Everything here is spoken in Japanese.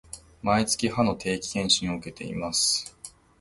毎月、歯の定期検診を受けています